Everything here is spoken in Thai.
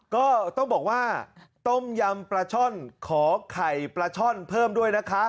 ก็ต้องบอกว่าต้มยำปลาช่อนขอไข่ปลาช่อนเพิ่มด้วยนะคะ